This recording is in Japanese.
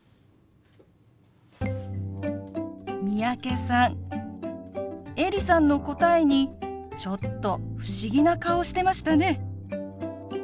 三宅さんエリさんの答えにちょっと不思議な顔をしてましたね。